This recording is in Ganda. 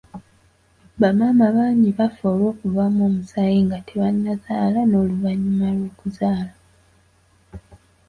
Bamaama bangi bafa olw'okuvaamu omusaayi nga tebannazaala n'oluvannyuma lw'okuzaala.